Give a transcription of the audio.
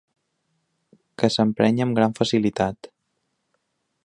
Que s'emprenya amb gran facilitat.